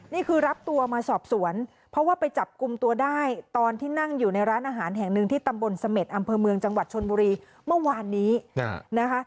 นี่คือรับตัวมาสอบสวนเพราะว่าไปจับกลุ่มตัวได้ตอนที่นั่งอยู่ในร้านอาหารแห่งหนึ่งที่ตำบลเสม็ดอำเภอเมืองจังหวัดชนบุรีเมื่อวานนี้นะคะ